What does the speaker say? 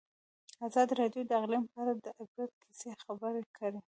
ازادي راډیو د اقلیم په اړه د عبرت کیسې خبر کړي.